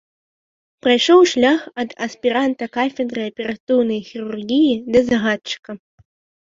Прайшоў шлях ад аспіранта кафедры аператыўнай хірургіі да загадчыка.